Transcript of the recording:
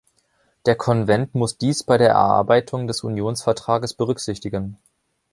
Der Konvent muss dies bei der Erarbeitung des Unionsvertrages berücksichtigen.